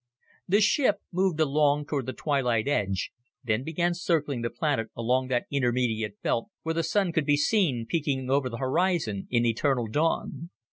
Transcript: The ship moved along toward the twilight edge, then began circling the planet along that intermediate belt, where the Sun could be seen peeking over the horizon in eternal dawn.